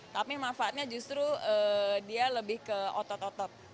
tapi manfaatnya justru dia lebih ke otot otot